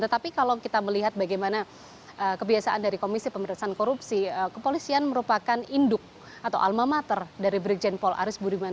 tetapi kalau kita melihat bagaimana kebiasaan dari komisi pemerintahan korupsi kepolisian merupakan induk atau alma mater dari brigjen paul aris budiman